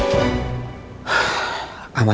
aku sam suv